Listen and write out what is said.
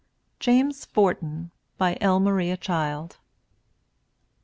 JAMES FORTEN. BY L. MARIA CHILD.